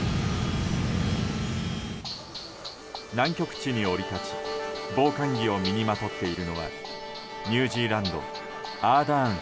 南極地に降り立ち防寒着を身にまとっているのはニュージーランドアーダーン